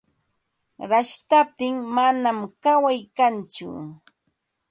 Rashtaptin manam kaway kantsu.